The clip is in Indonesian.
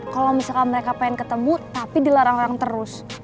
kalau misalkan mereka pengen ketemu tapi dilarang larang terus